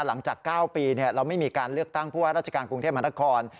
หลังจาก๙ปีเราไม่มีการเลือกตั้งผู้ว่าราชการกรุงเทพมหานคร